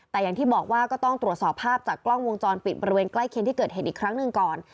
แต่อย่างที่บอกว่าก็ต้องตรวจสอบภาพจากกล้องวงจรปิดบริเวณใกล้เคียงที่เกิดเหตุอีกครั้งหนึ่งก่อน